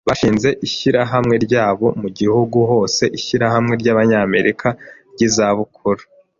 Bashinze ishyirahamwe ryabo mu gihugu hose, Ishyirahamwe ry’Abanyamerika ry’izabukuru